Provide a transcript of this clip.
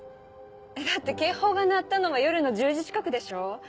だって警報が鳴ったのは夜の１０時近くでしょう？